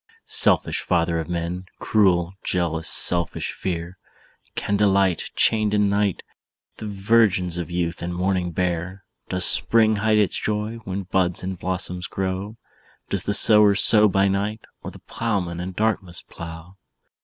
"Selfish father of men! Cruel, jealous, selfish fear! Can delight, Chained in night, The virgins of youth and morning bear? "Does spring hide its joy, When buds and blossoms grow? Does the sower Sow by night, Or the plowman in darkness plough?